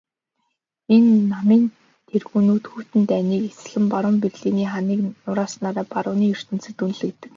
Энэ намын тэргүүнүүд хүйтэн дайныг эцэслэн баруун Берлиний ханыг нурааснаараа барууны ертөнцөд үнэлэгддэг.